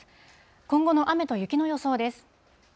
今後の雨と雪の予想です。